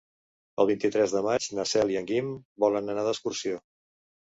El vint-i-tres de maig na Cel i en Guim volen anar d'excursió.